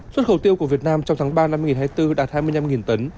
xuất khẩu tiêu của việt nam trong tháng ba năm hai nghìn hai mươi bốn đạt hai mươi năm tấn